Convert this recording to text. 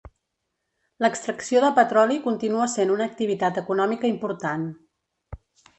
L'extracció de petroli continua sent una activitat econòmica important.